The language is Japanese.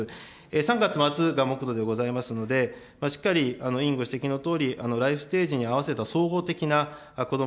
３月末が目途でございますので、しっかり委員、ご指摘のとおり、ライフステージに合わせた総合的なこども・